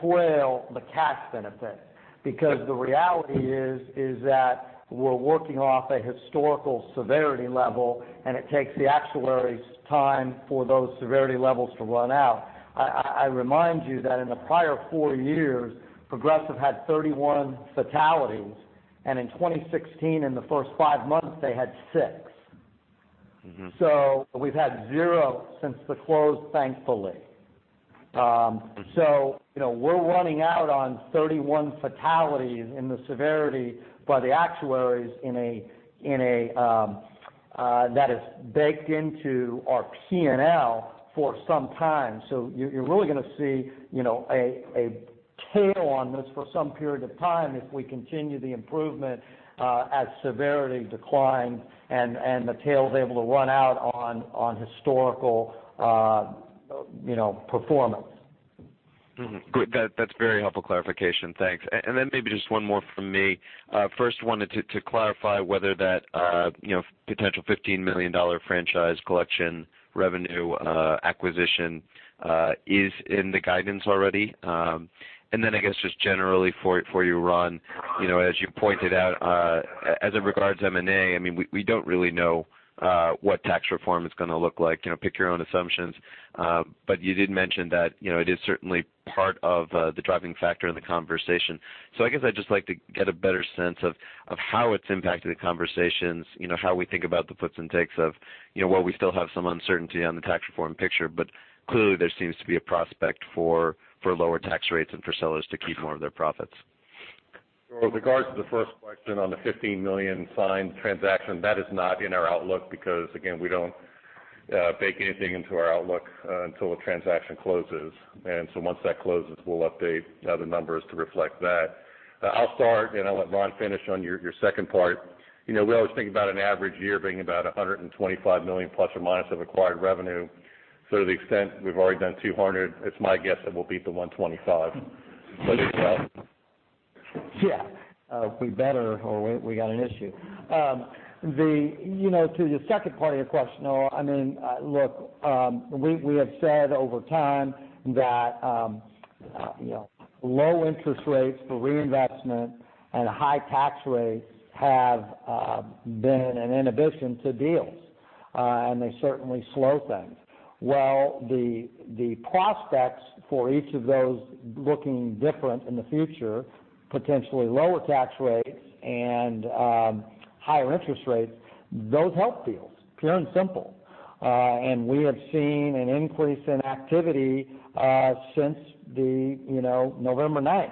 trail the cash benefit because the reality is that we're working off a historical severity level, and it takes the actuaries time for those severity levels to run out. I remind you that in the prior four years, Progressive had 31 fatalities, and in 2016, in the first five months, they had six. We've had zero since the close, thankfully. We're running out on 31 fatalities in the severity by the actuaries that is baked into our P&L for some time. You're really going to see a tail on this for some period of time if we continue the improvement as severity declines and the tail is able to run out on historical performance. Good. That's very helpful clarification. Thanks. Maybe just one more from me. First wanted to clarify whether that potential $15 million franchise collection revenue acquisition is in the guidance already. I guess just generally for you, Ron, as you pointed out as it regards M&A, we don't really know what tax reform is going to look like. Pick your own assumptions, you did mention that it is certainly part of the driving factor in the conversation. I guess I'd just like to get a better sense of how it's impacted the conversations, how we think about the puts and takes of while we still have some uncertainty on the tax reform picture, clearly there seems to be a prospect for lower tax rates and for sellers to keep more of their profits. With regards to the first question on the $15 million signed transaction, that is not in our outlook because, again, we don't bake anything into our outlook until a transaction closes. Once that closes, we'll update the numbers to reflect that. I'll start, and I'll let Ron finish on your second part. We always think about an average year being about $125 million plus or minus of acquired revenue. To the extent we've already done $200, it's my guess that we'll beat the $125. It's up. Yeah. We better or we got an issue. To the second part of your question, Noah Kaye, look, we have said over time that low interest rates for reinvestment and high tax rates have been an inhibition to deals. They certainly slow things. Well, the prospects for each of those looking different in the future, potentially lower tax rates and higher interest rates, those help deals, pure and simple. We have seen an increase in activity since the November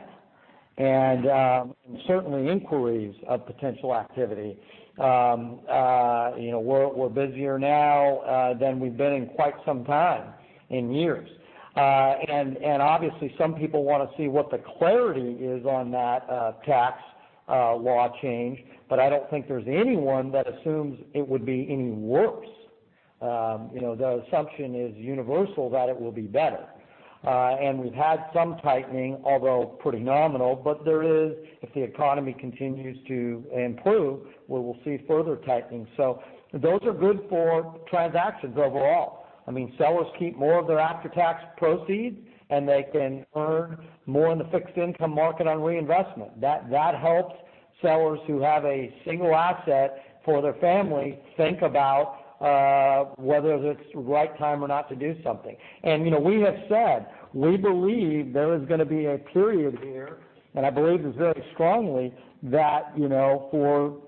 9th, certainly inquiries of potential activity. We're busier now than we've been in quite some time, in years. Obviously, some people want to see what the clarity is on that tax law change, I don't think there's anyone that assumes it would be any worse. The assumption is universal that it will be better. We've had some tightening, although pretty nominal, there is, if the economy continues to improve, we will see further tightening. Those are good for transactions overall. Sellers keep more of their after-tax proceeds, and they can earn more in the fixed income market on reinvestment. That helps sellers who have a single asset for their family think about whether it's the right time or not to do something. We have said we believe there is going to be a period here, and I believe this very strongly, that for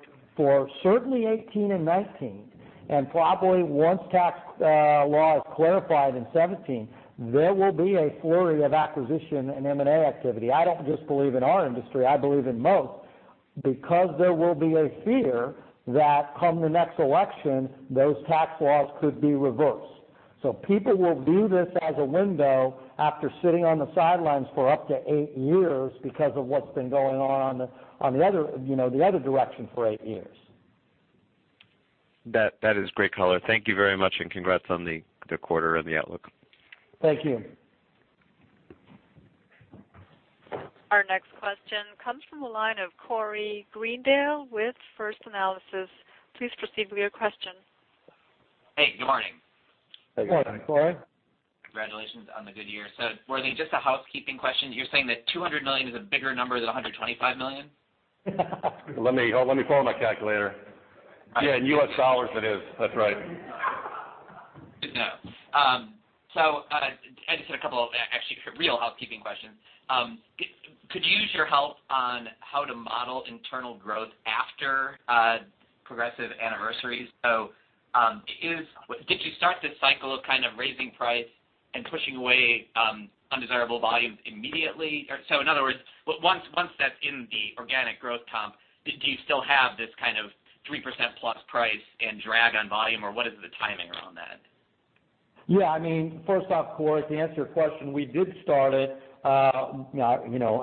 certainly 2018 and 2019, and probably once tax law is clarified in 2017, there will be a flurry of acquisition and M&A activity. I don't just believe in our industry, I believe in most, because there will be a fear that come the next election, those tax laws could be reversed. People will view this as a window after sitting on the sidelines for up to eight years because of what's been going on the other direction for eight years. That is great color. Thank you very much, and congrats on the quarter and the outlook. Thank you. Our next question comes from the line of Corey Greendale with First Analysis. Please proceed with your question. Hey, good morning. Good morning, Corey. Congratulations on the good year. Just a housekeeping question. You're saying that $200 million is a bigger number than $125 million? Let me pull up my calculator. Yeah, in U.S. dollars it is. That's right. Good to know. I just had a couple of actually real housekeeping questions. Could use your help on how to model internal growth after Progressive anniversaries. Did you start this cycle of kind of raising price and pushing away undesirable volumes immediately? In other words, once that's in the organic growth comp, do you still have this kind of 3% plus price and drag on volume, or what is the timing around that? Yeah. First off, Corey, to answer your question, we did start it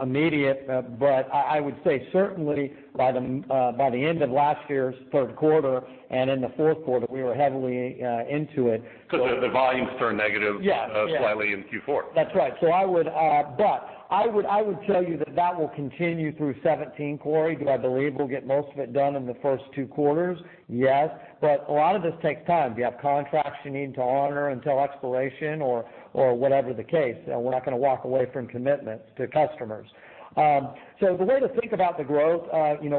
immediate, but I would say certainly by the end of last year's third quarter and in the fourth quarter, we were heavily into it. Because the volumes turned negative. Yeah slightly in Q4. That's right. I would tell you that that will continue through 2017, Corey. Do I believe we'll get most of it done in the first two quarters? Yes. A lot of this takes time. You have contracts you need to honor until expiration or whatever the case. We're not going to walk away from commitments to customers. The way to think about the growth,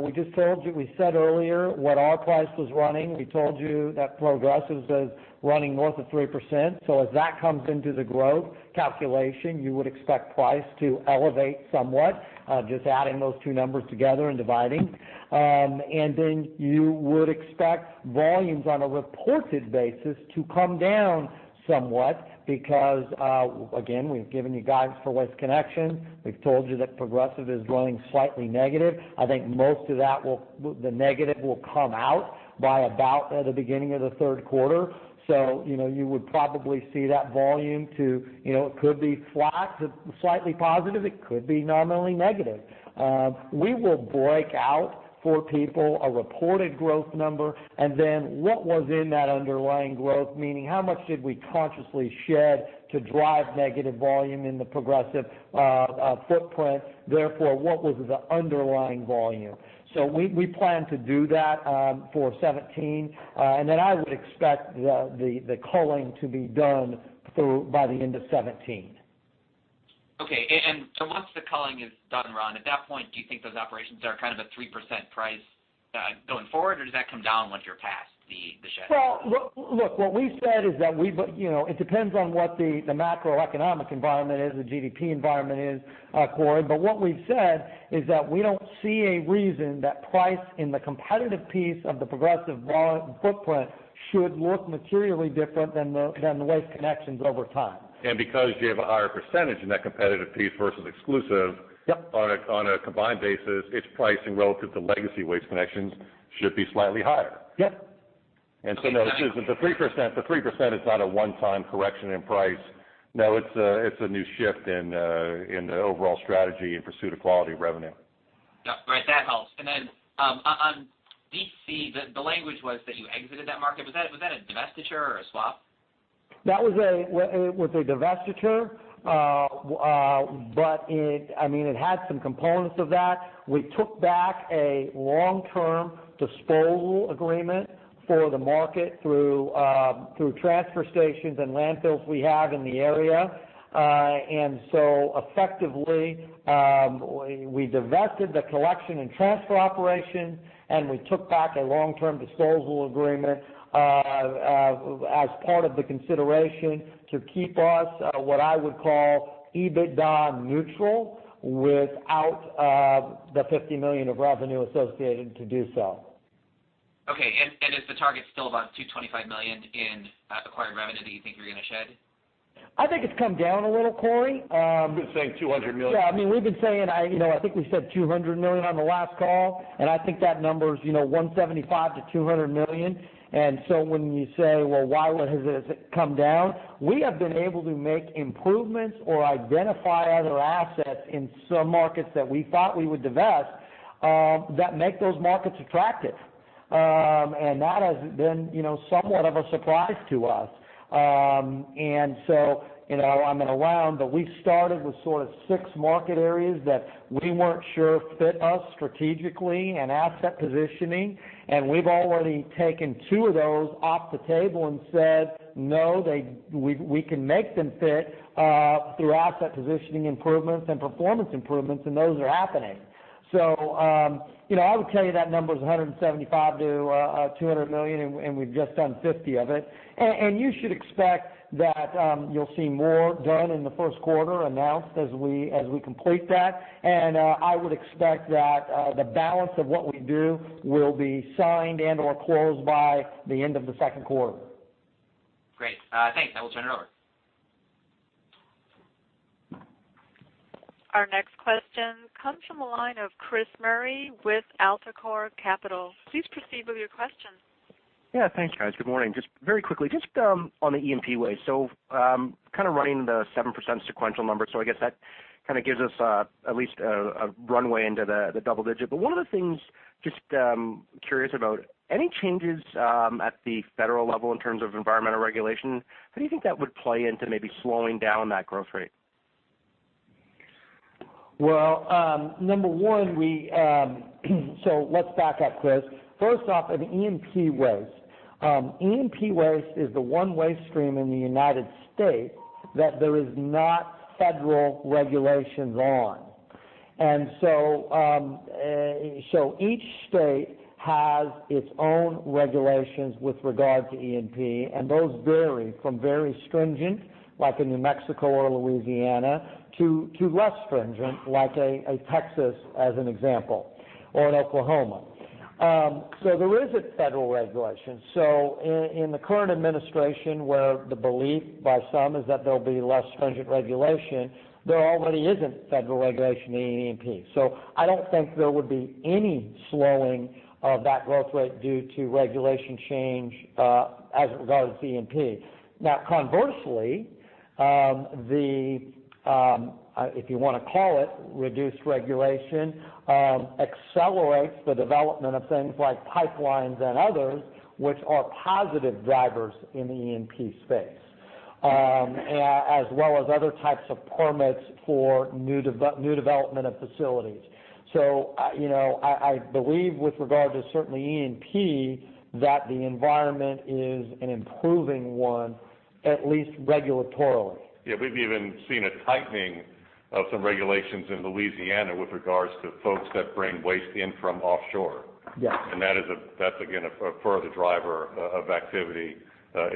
we just told you, we said earlier what our price was running. We told you that Progressive's is running north of 3%. As that comes into the growth calculation, you would expect price to elevate somewhat, just adding those two numbers together and dividing. You would expect volumes on a reported basis to come down somewhat because, again, we've given you guidance for Waste Connections. We've told you that Progressive is running slightly negative. I think most of the negative will come out by about the beginning of the third quarter. You would probably see that volume to, it could be flat to slightly positive, it could be nominally negative. We will break out for people a reported growth number, and then what was in that underlying growth, meaning how much did we consciously shed to drive negative volume in the Progressive footprint, therefore, what was the underlying volume. We plan to do that for 2017. I would expect the culling to be done by the end of 2017. Okay. Once the culling is done, Ron, at that point, do you think those operations are kind of a 3% price going forward, or does that come down once you're past the shed? Well, look, what we've said is that it depends on what the macroeconomic environment is, the GDP environment is, Corey. What we've said is that we don't see a reason that price in the competitive piece of the Progressive footprint should look materially different than the Waste Connections over time. Because you have a higher percentage in that competitive piece versus exclusive- Yep On a combined basis, its pricing relative to legacy Waste Connections should be slightly higher. Yep. No, it isn't. The 3% is not a one-time correction in price. No, it's a new shift in the overall strategy in pursuit of quality revenue. Yep. Right. That helps. Then on D.C., the language was that you exited that market. Was that a divestiture or a swap? That was a divestiture. It had some components of that. We took back a long-term disposal agreement for the market through transfer stations and landfills we have in the area. Effectively, we divested the collection and transfer operation, and we took back a long-term disposal agreement as part of the consideration to keep us, what I would call, EBITDA neutral without the $50 million of revenue associated to do so. Okay. Is the target still about $225 million in acquired revenue that you think you're going to shed? I think it's come down a little, Corey. We've been saying $200 million. Yeah, we've been saying, I think we said $200 million on the last call, and I think that number is $175 million-$200 million. So when you say, "Well, why has it come down?" We have been able to make improvements or identify other assets in some markets that we thought we would divest, that make those markets attractive. That has been somewhat of a surprise to us. I'm going to round, but we started with sort of six market areas that we weren't sure fit us strategically and asset positioning, and we've already taken two of those off the table and said, "No, we can make them fit through asset positioning improvements and performance improvements," and those are happening. I would tell you that number is $175 million-$200 million, and we've just done $50 million of it. You should expect that you'll see more done in the first quarter announced as we complete that. I would expect that the balance of what we do will be signed and/or closed by the end of the second quarter. Great. Thanks. I will turn it over. Our next question comes from the line of Chris Murray with AltaCorp Capital. Please proceed with your question. Yeah, thanks, guys. Good morning. Just very quickly, just on the E&P waste. Kind of running the 7% sequential number, so I guess that kind of gives us at least a runway into the double digit. One of the things, just curious about any changes at the federal level in terms of environmental regulation, how do you think that would play into maybe slowing down that growth rate? Well, number 1, let's back up, Chris. First off, on E&P waste. E&P waste is the one waste stream in the U.S. that there is not federal regulations on. Each state has its own regulations with regard to E&P, and those vary from very stringent, like in New Mexico or Louisiana, to less stringent, like a Texas as an example, or an Oklahoma. There isn't federal regulation. In the current administration, where the belief by some is that there'll be less stringent regulation, there already isn't federal regulation in E&P. I don't think there would be any slowing of that growth rate due to regulation change as it regards E&P. Now, conversely, if you want to call it reduced regulation, accelerates the development of things like pipelines and others, which are positive drivers in the E&P space. As well as other types of permits for new development of facilities. I believe with regard to certainly E&P, that the environment is an improving one, at least regulatorily. Yeah, we've even seen a tightening of some regulations in Louisiana with regards to folks that bring waste in from offshore. Yes. That's, again, a further driver of activity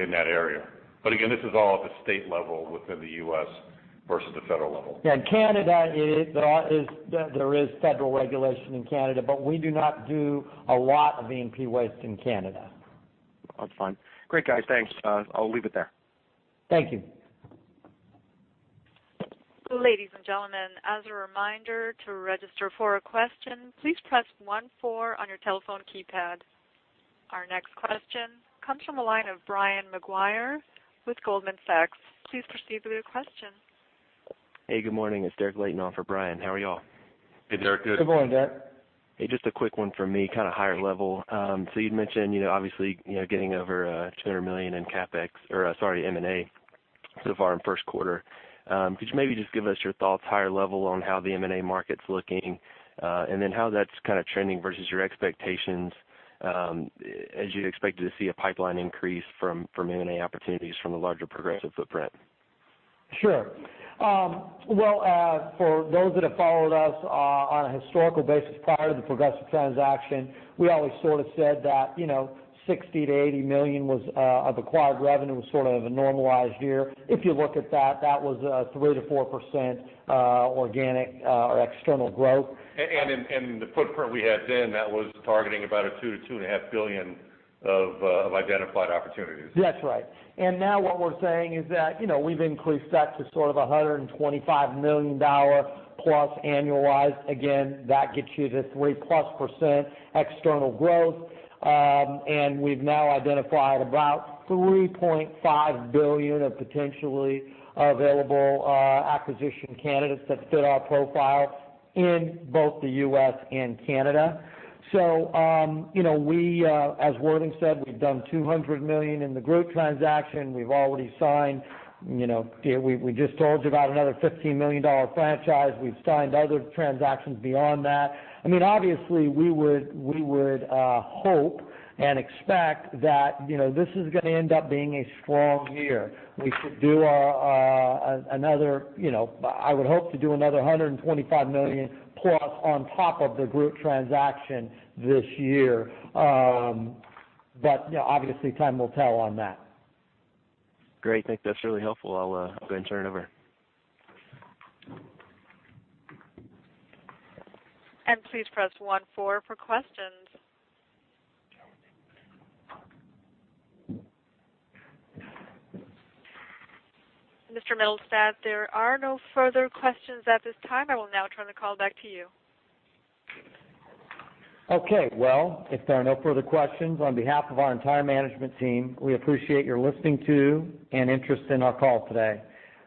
in that area. Again, this is all at the state level within the U.S. versus the federal level. Yeah, in Canada, there is federal regulation in Canada, but we do not do a lot of E&P waste in Canada. That's fine. Great, guys. Thanks. I'll leave it there. Thank you. Ladies and gentlemen, as a reminder to register for a question, please press 14 on your telephone keypad. Our next question comes from the line of Brian Maguire with Goldman Sachs. Please proceed with your question. Hey, good morning. It's Derrick Laton on for Brian. How are y'all? Hey, Derek. Good. Good morning, Derek. Hey, just a quick one for me, kind of higher level. You'd mentioned, obviously, getting over $200 million in CapEx, or sorry, M&A so far in first quarter. Could you maybe just give us your thoughts higher level on how the M&A market's looking? Then how that's kind of trending versus your expectations, as you expected to see a pipeline increase from M&A opportunities from the larger Progressive footprint. Sure. For those that have followed us on a historical basis, prior to the Progressive transaction, we always sort of said that, $60 million to $80 million of acquired revenue was sort of a normalized year. If you look at that was 3%-4% organic or external growth. The footprint we had then, that was targeting about a $2 billion to $2.5 billion of identified opportunities. That's right. Now what we're saying is that, we've increased that to sort of $125 million plus annualized. Again, that gets you to 3% plus external growth. We've now identified about $3.5 billion of potentially available acquisition candidates that fit our profile in both the U.S. and Canada. As Worthing said, we've done $200 million in the Groot transaction. We've already signed. We just told you about another $15 million franchise. We've signed other transactions beyond that. Obviously, we would hope and expect that this is going to end up being a strong year. I would hope to do another $125 million plus on top of the Groot transaction this year. Obviously, time will tell on that. Great. I think that's really helpful. I'll go ahead and turn it over. Please press one four for questions. Mr. Mittelstaedt, there are no further questions at this time. I will now turn the call back to you. Okay, well, if there are no further questions, on behalf of our entire management team, we appreciate your listening to and interest in our call today.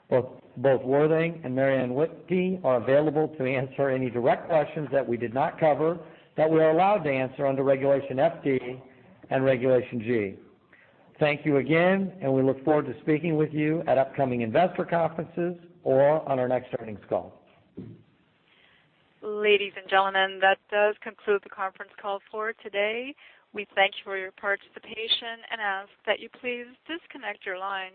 Both Worthing and Mary Anne Whitney are available to answer any direct questions that we did not cover that we're allowed to answer under Regulation FD and Regulation G. Thank you again. We look forward to speaking with you at upcoming investor conferences or on our next earnings call. Ladies and gentlemen, that does conclude the conference call for today. We thank you for your participation and ask that you please disconnect your lines.